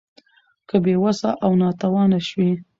که بې وسه او ناتوانه شوې